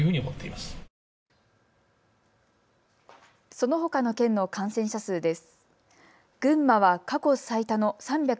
そのほかの県の感染者数です。